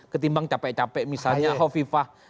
ketimbang capek capek misalnya hovifah